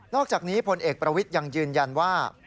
อกจากนี้พลเอกประวิทย์ยังยืนยันว่า